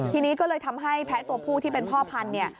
ทีนี้ก็เลยทำให้แพ้ตัวผู้ที่เป็นพ่อพันธุ์เนี่ย